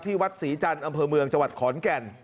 วัดศรีจันทร์อำเภอเมืองจังหวัดขอนแก่น